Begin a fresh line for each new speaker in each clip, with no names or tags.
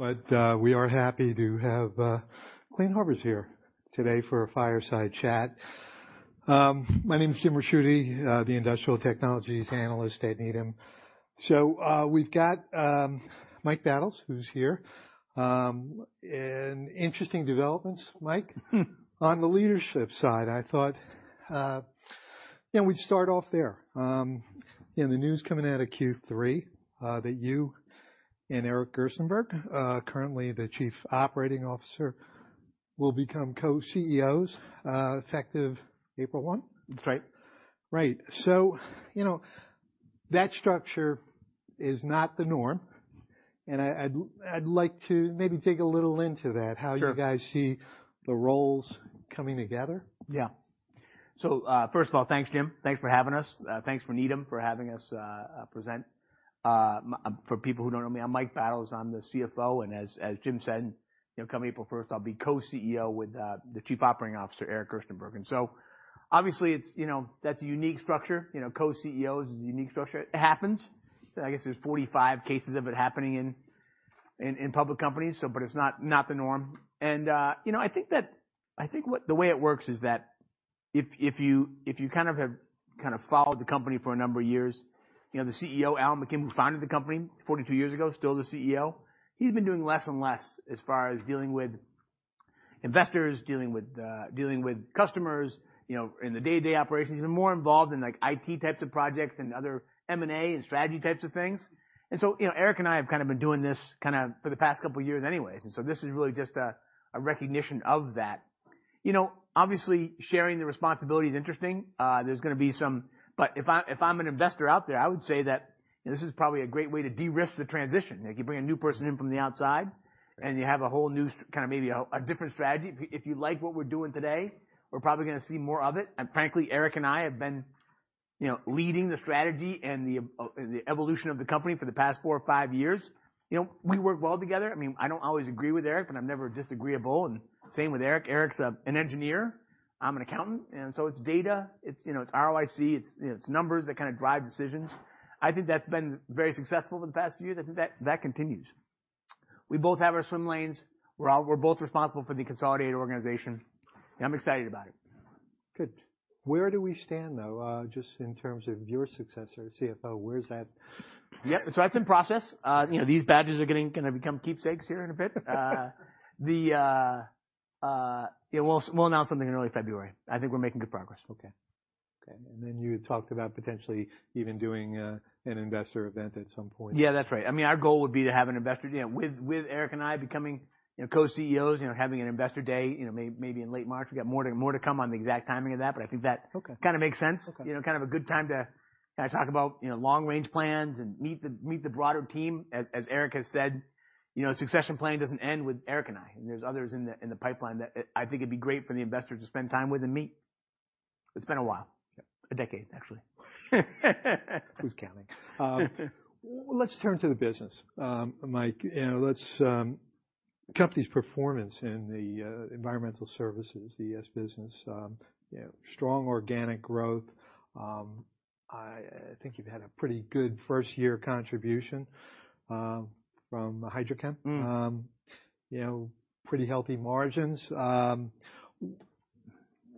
We are happy to have Clean Harbors here today for a fireside chat. My name is Jim Ricchiuti, the industrial technologies analyst at Needham. We've got Mike Battles, who's here. Interesting developments, Mike. On the leadership side, I thought, you know, we'd start off there. In the news coming out of Q3, that you and Eric Gerstenberg, currently the Chief Operating Officer, will become co-CEOs, effective April one.
That's right.
Right. you know, that structure is not the norm, and I'd like to maybe dig a little into that.
Sure.
How you guys see the roles coming together?
Yeah. First of all, thanks, Jim. Thanks for having us. Thanks for Needham for having us present. For people who don't know me, I'm Mike Battles, I'm the CFO, and as Jim said, you know, come April 1st, I'll be co-CEO with the chief operating officer, Eric Gerstenberg. Obviously it's, you know, that's a unique structure. You know, co-CEO is a unique structure. It happens. I guess there's 45 cases of it happening in public companies, but it's not the norm. You know, I think what, the way it works is that if you, if you kind of have followed the company for a number of years, you know, the CEO, Alan McKim, who founded the company 42 years ago, still the CEO, he's been doing less and less as far as dealing with investors, dealing with customers, you know, in the day-to-day operations. He's been more involved in, like, IT types of projects and other M&A and strategy types of things. You know, Eric and I have kind of been doing this kind of for the past couple of years anyways. This is really just a recognition of that. You know, obviously sharing the responsibility is interesting. There's gonna be some... If I'm an investor out there, I would say that this is probably a great way to de-risk the transition. Like, you bring a new person in from the outside, and you have a whole new kind of maybe a different strategy. If you like what we're doing today, we're probably gonna see more of it. Frankly, Eric and I have been, you know, leading the strategy and the evolution of the company for the past four or five years. You know, we work well together. I mean, I don't always agree with Eric, but I'm never disagreeable. Same with Eric. Eric's an engineer, I'm an accountant, and so it's data, it's, you know, it's ROIC, it's, you know, it's numbers that kind of drive decisions. I think that's been very successful for the past few years. I think that continues. We both have our swim lanes. We're both responsible for the consolidated organization, and I'm excited about it.
Good. Where do we stand, though, just in terms of your successor, CFO? Where is that?
Yep. That's in process. you know, these badges are gonna become keepsakes here in a bit. yeah, we'll announce something in early February. I think we're making good progress.
Okay. Okay. You talked about potentially even doing an investor event at some point.
Yeah, that's right. I mean, our goal would be to have an investor. You know, with Eric and I becoming, you know, co-CEOs, you know, having an investor day, you know, maybe in late March. We got more to come on the exact timing of that, I think that.
Okay.
kinda makes sense.
Okay.
You know, kind of a good time to kinda talk about, you know, long range plans and meet the broader team. As Eric has said, you know, succession planning doesn't end with Eric and I, and there's others in the pipeline that I think it'd be great for the investors to spend time with and meet. It's been a while.
Yeah.
A decade, actually. Who's counting?
Let's turn to the business. Mike, you know, Company's performance in the environmental services, the ES business, you know, strong organic growth. I think you've had a pretty good first year contribution from HydroChemPSC.
Mm.
You know, pretty healthy margins.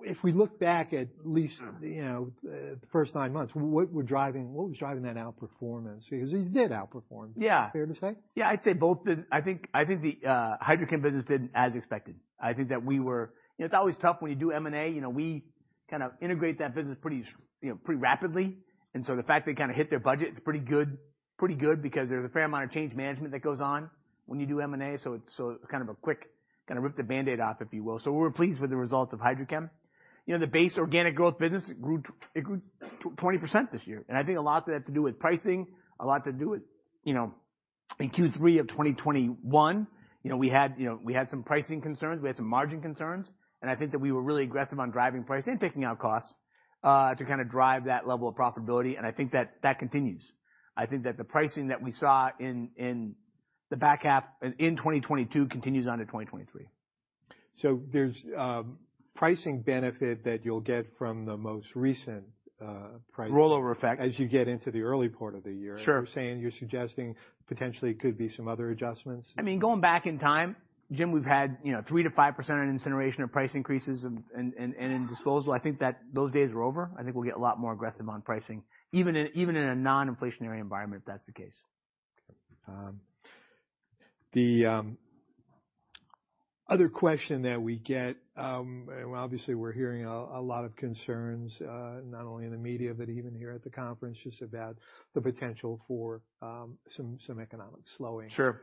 If we look back at least, you know, the first nine months, what was driving that outperformance? Because you did outperform.
Yeah.
fair to say?
Yeah, I'd say both I think, I think the HydroChem business did as expected. I think that we were. You know, it's always tough when you do M&A. You know, we kind of integrate that business pretty you know, pretty rapidly. The fact they kinda hit their budget, it's pretty good. Pretty good because there's a fair amount of change management that goes on when you do M&A. It, so it's kind of a quick, kinda rip the Band-Aid off, if you will. We're pleased with the results of HydroChem. You know, the base organic growth business, it grew 20% this year. I think a lot of that to do with pricing, a lot to do with, you know, in Q3 of 2021, you know, we had, you know, we had some pricing concerns, we had some margin concerns. I think that we were really aggressive on driving price and taking out costs to kinda drive that level of profitability, and I think that continues. I think that the pricing that we saw in the back half in 2022 continues on to 2023.
There's pricing benefit that you'll get from the most recent price-.
Rollover effect.
As you get into the early part of the year.
Sure.
You're saying, you're suggesting potentially could be some other adjustments.
I mean, going back in time, Jim, we've had, you know, 3%-5% in incineration of price increases and in disposal. I think that those days are over. I think we'll get a lot more aggressive on pricing, even in a non-inflationary environment, if that's the case.
The other question that we get, obviously we're hearing a lot of concerns, not only in the media, but even here at the conference, just about the potential for some economic slowing.
Sure.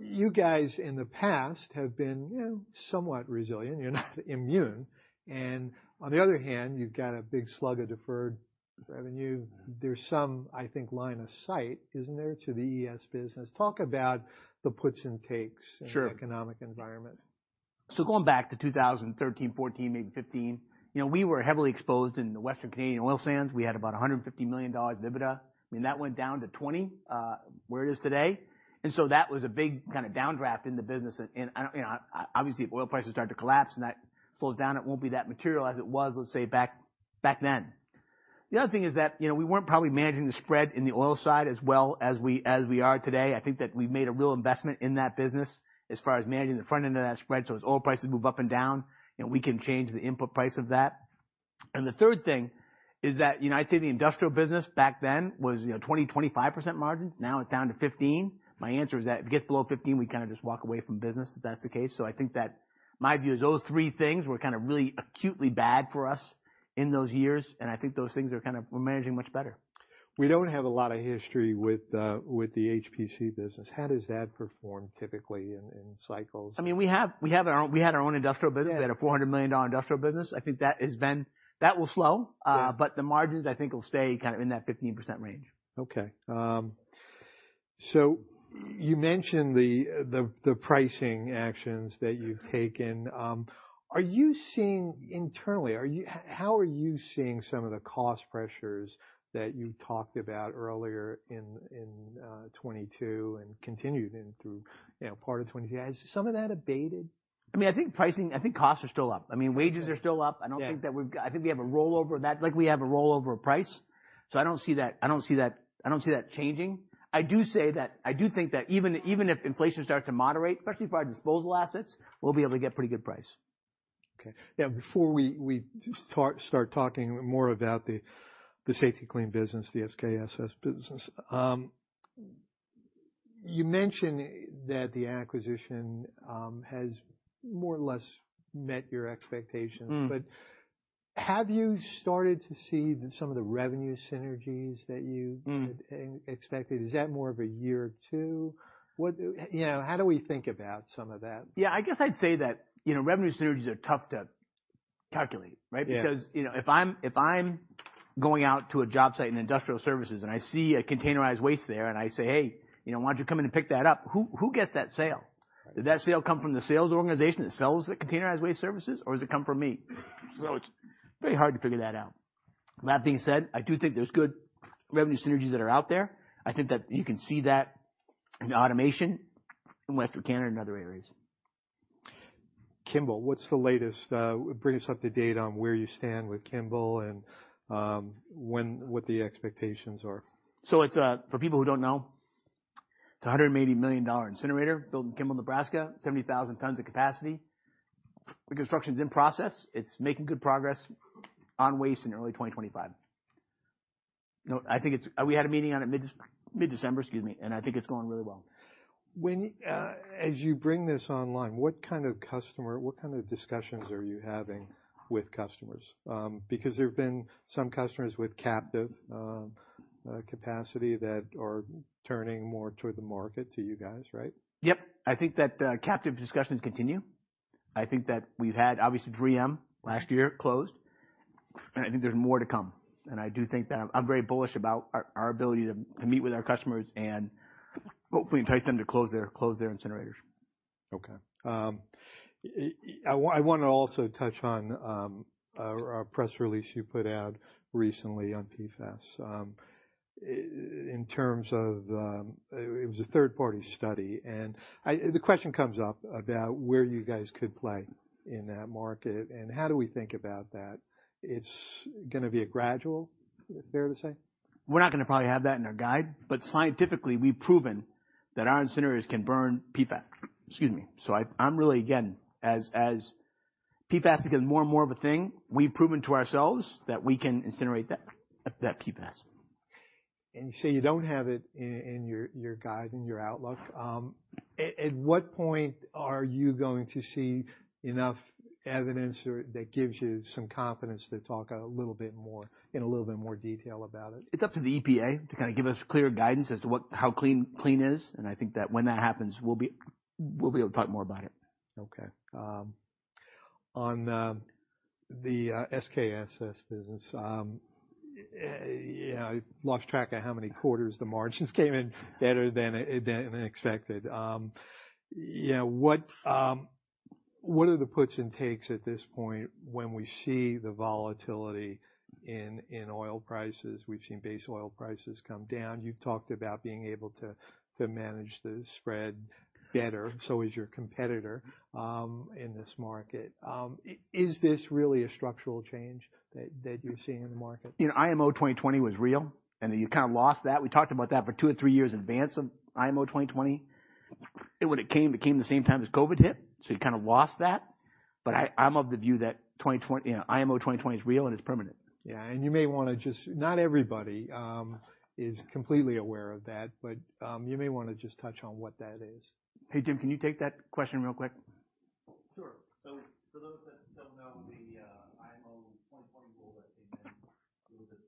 You guys in the past have been, you know, somewhat resilient. You're not immune. On the other hand, you've got a big slug of deferred revenue. There's some, I think, line of sight, isn't there, to the ES business. Talk about the puts and takes.
Sure.
-in the economic environment.
Going back to 2013, 2014, maybe 2015, you know, we were heavily exposed in the Western Canadian oil sands. We had about $150 million EBITDA. I mean, that went down to $20, where it is today. That was a big kinda downdraft in the business. You know, obviously, if oil prices start to collapse and that slows down, it won't be that material as it was, let's say, back then. The other thing is that, you know, we weren't probably managing the spread in the oil side as well as we are today. I think that we've made a real investment in that business as far as managing the front end of that spread. As oil prices move up and down, you know, we can change the input price of that. The third thing is that, you know, I'd say the industrial business back then was, you know, 20%-25% margins. Now it's down to 15%. My answer is that if it gets below 15%, we kind of just walk away from business, if that's the case. I think that my view is those three things were kind of really acutely bad for us in those years, and I think those things are kind of, we're managing much better.
We don't have a lot of history with the HydroChemPSC business. How does that perform typically in cycles?
I mean, we have our own, we had our own industrial business.
Yeah.
We had a $400 million industrial business. I think that will slow.
Yeah.
The margins I think will stay kind of in that 15% range.
You mentioned the pricing actions that you've taken. Are you seeing internally, how are you seeing some of the cost pressures that you talked about earlier in 2022 and continued in through, you know, part of 2023? Has some of that abated?
I mean, I think costs are still up. I mean, wages are still up.
Yeah.
I think we have a rollover price. I don't see that changing. I do say that, I do think that even if inflation starts to moderate, especially for our disposal assets, we'll be able to get pretty good price.
Okay. Yeah, before we start talking more about the Safety-Kleen business, the SKSS business, you mentioned that the acquisition has more or less met your expectations.
Mm.
Have you started to see some of the revenue synergies that...
Mm.
-expected? Is that more of a year or two? What, you know, how do we think about some of that?
Yeah. I guess I'd say that, you know, revenue synergies are tough to calculate, right?
Yes.
You know, if I'm going out to a job site in industrial services and I see a containerized waste there, and I say, "Hey, you know, why don't you come in and pick that up?" Who gets that sale?
Right.
Did that sale come from the sales organization that sells the containerized waste services, or does it come from me? It's very hard to figure that out. That being said, I do think there's good revenue synergies that are out there. I think that you can see that in automation in Western Canada and other areas.
Kimball, what's the latest? Bring us up to date on where you stand with Kimball and what the expectations are.
It's for people who don't know, it's a $180 million incinerator built in Kimball, Nebraska, 70,000 tons of capacity. The construction's in process. It's making good progress. On waste in early 2025. You know, I think it's. We had a meeting on it mid-December, excuse me. I think it's going really well.
As you bring this online, what kind of customer, what kind of discussions are you having with customers? Because there have been some customers with captive capacity that are turning more toward the market to you guys, right?
Yep. I think that captive discussions continue. I think that we've had, obviously, 3M last year closed. I think there's more to come. I do think that I'm very bullish about our ability to meet with our customers and hopefully entice them to close their incinerators.
Okay. I wanna also touch on a press release you put out recently on PFAS. In terms of it was a third-party study. The question comes up about where you guys could play in that market, and how do we think about that? It's gonna be a gradual, fair to say?
We're not gonna probably have that in our guide, scientifically, we've proven that our incinerators can burn PFAS. Excuse me. I'm really, again, as PFAS becomes more and more of a thing, we've proven to ourselves that we can incinerate that PFAS.
You say you don't have it in your guide, in your outlook. At what point are you going to see enough evidence or that gives you some confidence to talk a little bit more, in a little bit more detail about it?
It's up to the EPA to kind of give us clear guidance as to how clean clean is, and I think that when that happens, we'll be able to talk more about it.
On the SKSS business, you know, I lost track of how many quarters the margins came in better than expected. You know, what are the puts and takes at this point when we see the volatility in oil prices? We've seen base oil prices come down. You've talked about being able to manage the spread better, is your competitor in this market. Is this really a structural change that you're seeing in the market?
You know, IMO 2020 was real, and you kind of lost that. We talked about that for two or three years in advance of IMO 2020. When it came, it came the same time as COVID hit, so you kind of lost that. I'm of the view that 2020, you know, IMO 2020 is real, and it's permanent.
Yeah. You may wanna just, Not everybody is completely aware of that, but you may wanna just touch on what that is.
Hey, Jim, can you take that question real quick?
Sure. For those that don't know, the IMO 2020 rule that came in was an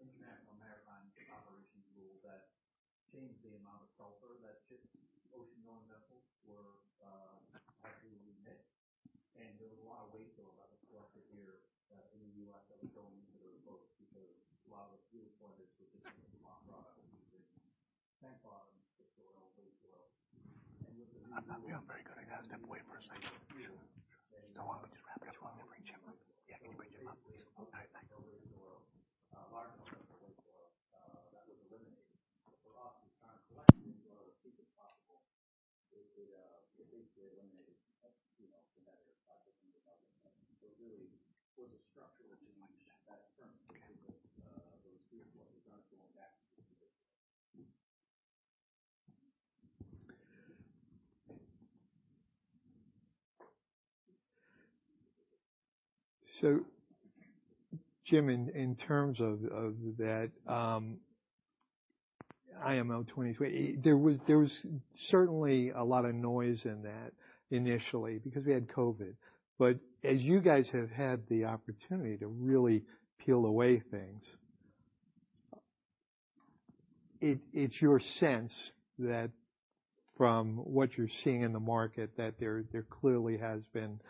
International Maritime Organization rule that changed the amount of sulfur that ships, ocean-going vessels would emit. There was a lot of wake though about the sulfur here in the U.S. that was going into those boats because a lot of the fuel for this was just a byproduct of the sandbox oil, base oil.
I'm not feeling very good. I gotta step away for a second.
Sure.
Why don't we just wrap this one up and bring Jim up? Yeah. Can you bring Jim up, please? All right. Thanks.
in the world.
Jim, in terms of that, IMO 2023, there was certainly a lot of noise in that initially because we had COVID. As you guys have had the opportunity to really peel away things, it's your sense that from what you're seeing in the market, that there clearly has been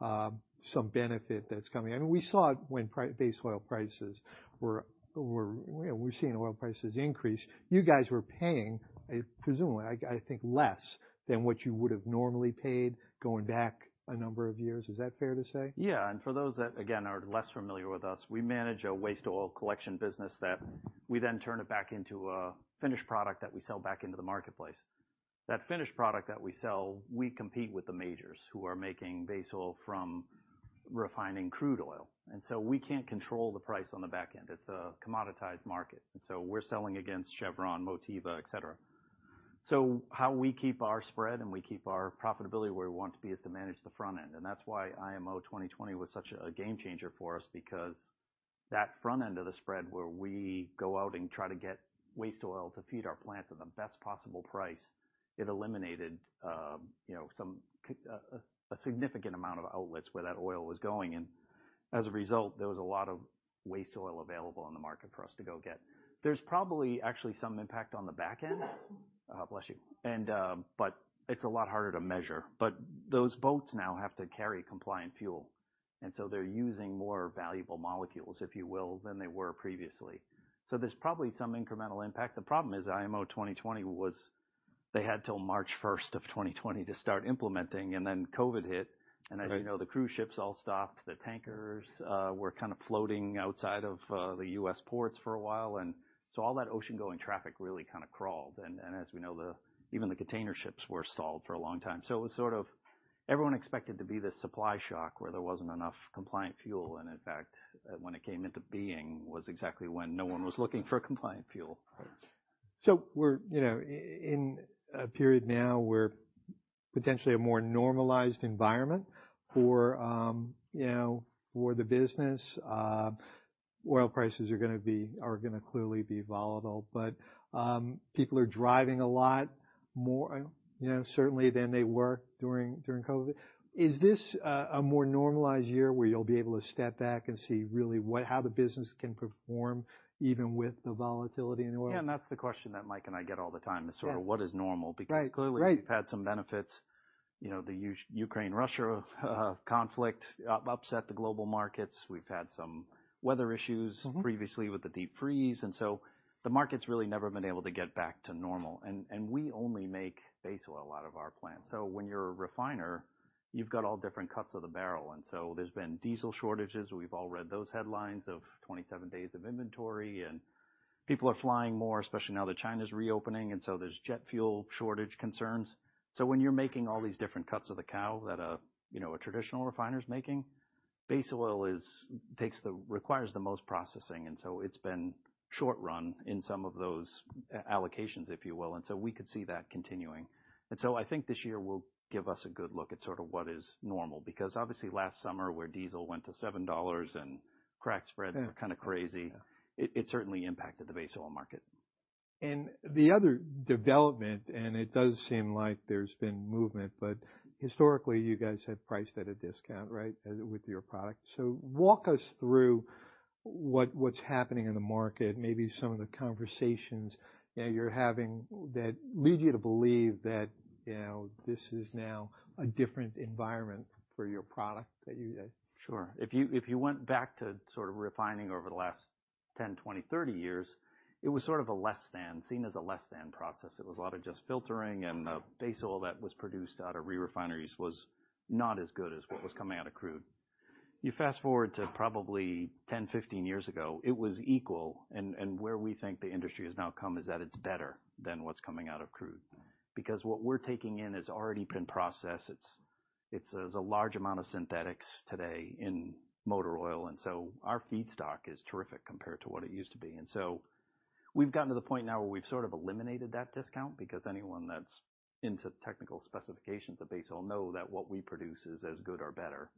some benefit that's coming. We saw it when base oil prices were, you know, we've seen oil prices increase. You guys were paying, presumably, I think, less than what you would have normally paid going back a number of years. Is that fair to say?
For those that, again, are less familiar with us, we manage a waste oil collection business that we then turn it back into a finished product that we sell back into the marketplace. That finished product that we sell, we compete with the majors who are making base oil from refining crude oil. We can't control the price on the back end. It's a commoditized market. We're selling against Chevron, Motiva, et cetera. How we keep our spread and we keep our profitability where we want to be is to manage the front end. That's why IMO 2020 was such a game changer for us, because that front end of the spread where we go out and try to get waste oil to feed our plant for the best possible price, it eliminated, you know, a significant amount of outlets where that oil was going. As a result, there was a lot of waste oil available on the market for us to go get. There's probably actually some impact on the back end. Bless you. It's a lot harder to measure. Those boats now have to carry compliant fuel, and so they're using more valuable molecules, if you will, than they were previously. There's probably some incremental impact. The problem is IMO 2020 was they had till March 1st of 2020 to start implementing, COVID hit.
Right.
As you know, the cruise ships all stopped. The tankers were kind of floating outside of the U.S. ports for a while. So all that ocean-going traffic really kind of crawled. As we know, even the container ships were stalled for a long time. It was sort of everyone expected to be this supply shock where there wasn't enough compliant fuel. In fact, when it came into being was exactly when no one was looking for compliant fuel.
We're, you know, in a period now where potentially a more normalized environment for, you know, for the business. Oil prices are gonna clearly be volatile. People are driving a lot more, you know, certainly than they were during COVID. Is this a more normalized year where you'll be able to step back and see really how the business can perform even with the volatility in oil?
Yeah. That's the question that Mike and I get all the time...
Yeah.
is sort of what is normal.
Right. Right.
Because clearly we've had some benefits. You know, the U.S.-Ukraine-Russia conflict upset the global markets. We've had some weather issues.
Mm-hmm.
Previously with the deep freeze, the market's really never been able to get back to normal. We only make base oil out of our plant. When you're a refiner, you've got all different cuts of the barrel, and so there's been diesel shortages. We've all read those headlines of 27 days of inventory. People are flying more, especially now that China's reopening, and so there's jet fuel shortage concerns. When you're making all these different cuts of the cow that a, you know, a traditional refiner is making, base oil requires the most processing, and so it's been short run in some of those allocations, if you will. We could see that continuing. I think this year will give us a good look at sort of what is normal. Obviously last summer, where diesel went to $7 and crack spread.
Yeah.
kind of crazy.
Yeah.
It certainly impacted the base oil market.
The other development, and it does seem like there's been movement, but historically you guys have priced at a discount, right? with your product. walk us through what's happening in the market, maybe some of the conversations, you know, you're having that lead you to believe that, you know, this is now a different environment for your product that you guys...
Sure. If you, if you went back to sort of refining over the last 10, 20, 30 years, it was sort of a less than, seen as a less than process. It was a lot of just filtering, the base oil that was produced out of re-refineries was not as good as what was coming out of crude. You fast forward to probably 10, 15 years ago, it was equal. Where we think the industry has now come is that it's better than what's coming out of crude.
Yeah.
Because what we're taking in has already been processed. It's a large amount of synthetics today in motor oil, and so our feedstock is terrific compared to what it used to be. We've gotten to the point now where we've sort of eliminated that discount because anyone that's into technical specifications of base oil know that what we produce is as good or better.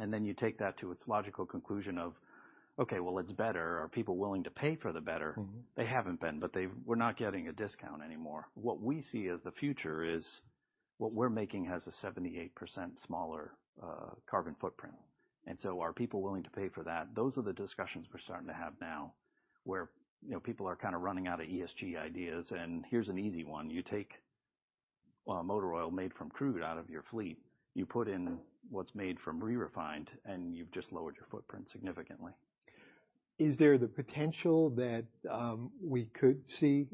You take that to its logical conclusion of, okay, well, it's better. Are people willing to pay for the better?
Mm-hmm.
They haven't been, but we're not getting a discount anymore. What we see as the future is what we're making has a 78% smaller carbon footprint. Are people willing to pay for that? Those are the discussions we're starting to have now where, you know, people are kinda running out of ESG ideas, and here's an easy one. You take motor oil made from crude out of your fleet. You put in what's made from re-refined, and you've just lowered your footprint significantly.
Is there the potential that, we could see,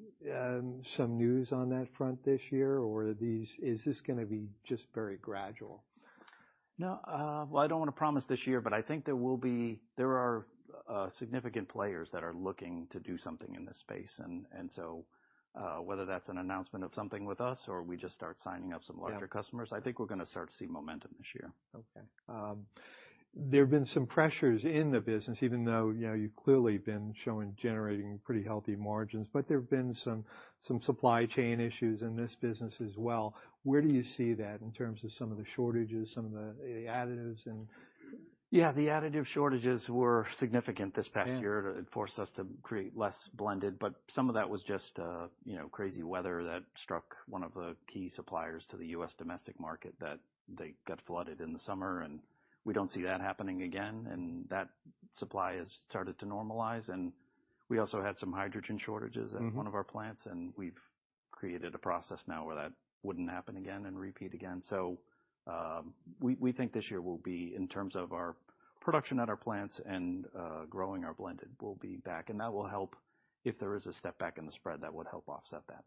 some news on that front this year, or is this gonna be just very gradual?
No, well, I don't wanna promise this year, but I think there will be. There are significant players that are looking to do something in this space. Whether that's an announcement of something with us or we just start signing up some larger customers.
Yeah.
I think we're gonna start to see momentum this year.
Okay. There have been some pressures in the business, even though, you know, you've clearly been showing generating pretty healthy margins. There have been some supply chain issues in this business as well. Where do you see that in terms of some of the shortages, some of the additives, and...
Yeah. The additive shortages were significant this past year.
Yeah.
It forced us to create less blended. Some of that was just, you know, crazy weather that struck one of the key suppliers to the U.S. domestic market that they got flooded in the summer, and we don't see that happening again. That supply has started to normalize. We also had some hydrogen shortages.
Mm-hmm.
at one of our plants, and we've created a process now where that wouldn't happen again and repeat again. We think this year will be, in terms of our production at our plants and, growing our blended, we'll be back. That will help if there is a step back in the spread, that would help offset that.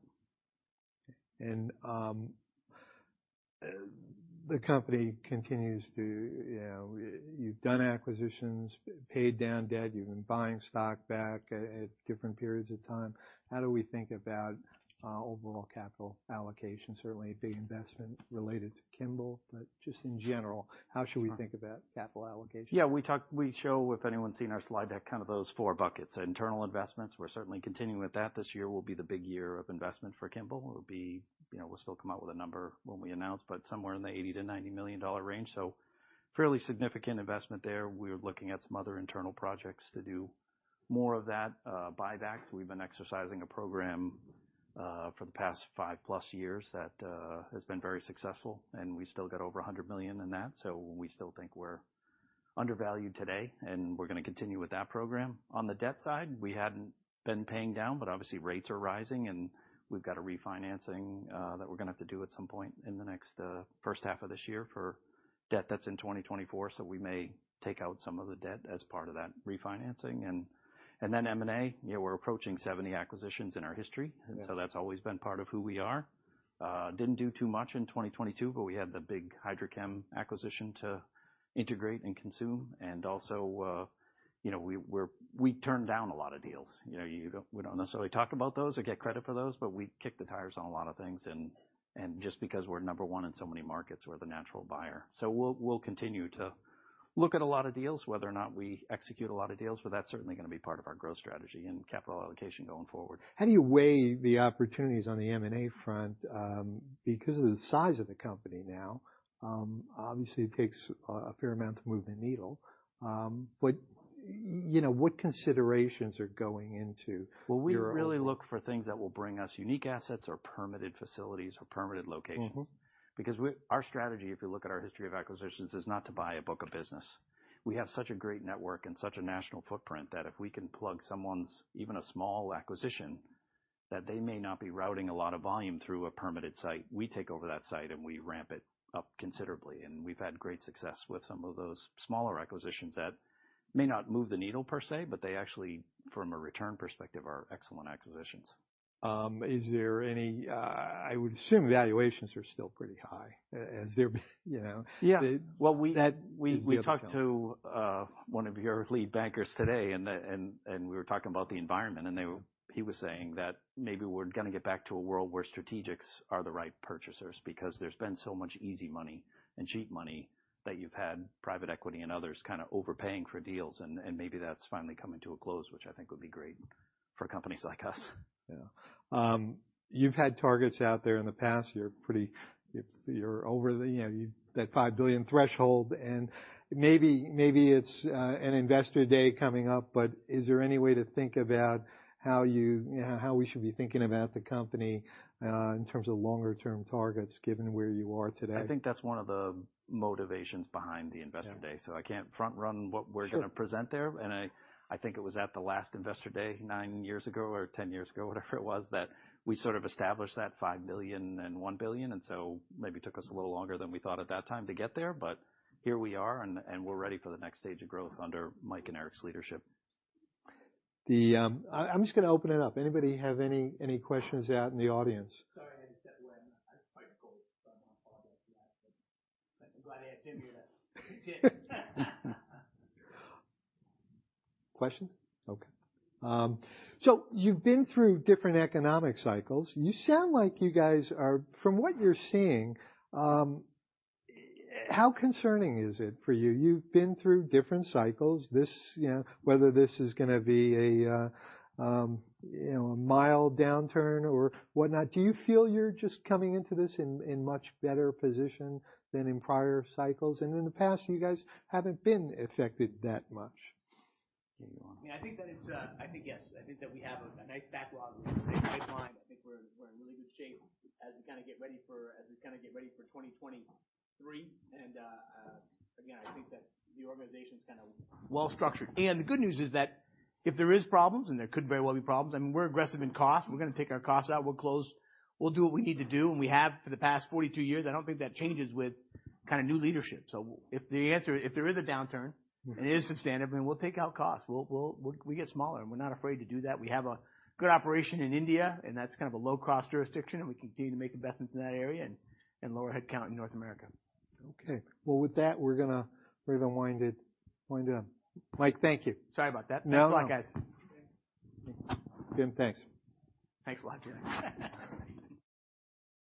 The company continues to, you know. You've done acquisitions, paid down debt, you've been buying stock back at different periods of time. How do we think about overall capital allocation? Certainly a big investment related to Kimball, but just in general.
Sure.
How should we think about capital allocation?
Yeah. We show, if anyone's seen our slide deck, kind of those four buckets. Internal investments, we're certainly continuing with that. This year will be the big year of investment for Kimball. It'll be, you know, we'll still come out with a number when we announce, but somewhere in the $80 million-$90 million range, so fairly significant investment there. We're looking at some other internal projects to do more of that. Buyback, we've been exercising a program for the past 5-plus years that has been very successful, and we still got over $100 million in that. We still think we're undervalued today, and we're gonna continue with that program. On the debt side, we hadn't been paying down. Obviously rates are rising. We've got a refinancing that we're gonna have to do at some point in the next first half of this year for debt that's in 2024. We may take out some of the debt as part of that refinancing. Then M&A, you know, we're approaching 70 acquisitions in our history.
Yeah.
That's always been part of who we are. Didn't do too much in 2022, but we had the big HydroChemPSC acquisition to integrate and consume. You know, we turn down a lot of deals. You know, we don't necessarily talk about those or get credit for those, but we kick the tires on a lot of things. Just because we're number one in so many markets, we're the natural buyer. We'll continue to look at a lot of deals. Whether or not we execute a lot of deals, but that's certainly gonna be part of our growth strategy and capital allocation going forward.
How do you weigh the opportunities on the M&A front? Because of the size of the company now, obviously it takes a fair amount to move the needle. You know, what considerations are going into your-?
Well, we really look for things that will bring us unique assets or permitted facilities or permitted locations.
Mm-hmm.
Our strategy, if you look at our history of acquisitions, is not to buy a book of business. We have such a great network and such a national footprint that if we can plug someone's, even a small acquisition, that they may not be routing a lot of volume through a permitted site, we take over that site, and we ramp it up considerably. We've had great success with some of those smaller acquisitions that may not move the needle per se, but they actually, from a return perspective, are excellent acquisitions.
I would assume valuations are still pretty high. Has there been, you know?
Yeah. Well,
That-
We talked to one of your lead bankers today. We were talking about the environment. He was saying that maybe we're gonna get back to a world where strategics are the right purchasers because there's been so much easy money and cheap money that you've had private equity and others kinda overpaying for deals. Maybe that's finally coming to a close, which I think would be great for companies like us.
Yeah. You've had targets out there in the past. You're over the, you know, that $5 billion threshold. Maybe, maybe it's an investor day coming up, but is there any way to think about how you know, how we should be thinking about the company in terms of longer term targets given where you are today?
I think that's one of the motivations behind the investor day.
Yeah.
I can't front run what we're gonna present there.
Sure.
I think it was at the last investor day nine years ago or 10 years ago, whatever it was, that we sort of established that $5 billion and $1 billion. Maybe took us a little longer than we thought at that time to get there, but here we are and we're ready for the next stage of growth under Mike and Eric's leadership.
I'm just gonna open it up. Anybody have any questions out in the audience? Sorry, I just stepped away. I had a phone call, so I apologize for that. I'm glad I came to that. Question? Okay. You've been through different economic cycles. You sound like you guys are... From what you're seeing, how concerning is it for you? You've been through different cycles. This, you know, whether this is gonna be a, you know, a mild downturn or whatnot, do you feel you're just coming into this in much better position than in prior cycles? In the past, you guys haven't been affected that much.
Here you are.
Yeah, I think that it's. I think, yes. I think that we have a nice backlog, a nice pipeline. I think we're in really good shape as we kinda get ready for 2023. Again, I think that the organization's kinda well-structured. The good news is that if there is problems, and there could very well be problems, I mean, we're aggressive in cost. We're gonna take our costs out. We'll close. We'll do what we need to do, and we have for the past 42 years. I don't think that changes with kinda new leadership. If there is a downturn-
Mm-hmm.
It is substantive, then we'll take out costs. We get smaller, and we're not afraid to do that. We have a good operation in India, and that's kind of a low-cost jurisdiction, and we continue to make investments in that area and lower headcount in North America.
Okay. Well, with that, we're gonna wind down. Mike, thank you.
Sorry about that.
No, no.
Thanks a lot, guys.
Jim, thanks.
Thanks a lot, Jim.